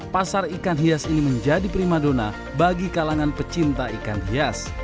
pasar ikan hias ini menjadi prima dona bagi kalangan pecinta ikan hias